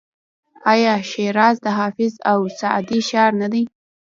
آیا شیراز د حافظ او سعدي ښار نه دی؟